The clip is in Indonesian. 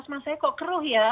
karena itu keruh ya